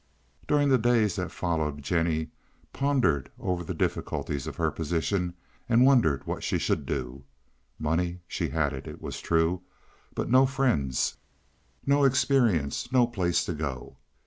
During the days that followed Jennie pondered over the difficulties of her position and wondered what she should do. Money she had, it was true; but no friends, no experience, no place to go.